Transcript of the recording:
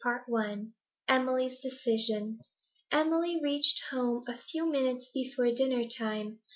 CHAPTER XI EMILY'S DECISION Emily reached home a few minutes before dinner time.